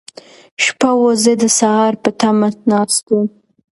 شپه وه، زه د سهار په تمه ناست وم.